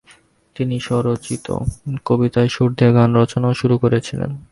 তিনি স্বরচিত কবিতায় সুর দিয়ে গান রচনাও শুরু করেছিলেন।